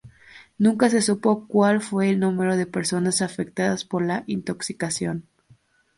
Nunca se supo cual fue el número de personas afectadas por la intoxicación.